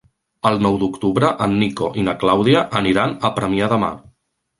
El nou d'octubre en Nico i na Clàudia aniran a Premià de Mar.